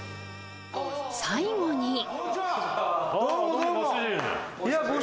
最後に。